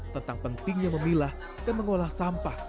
tentang pentingnya memilah dan mengolah sampah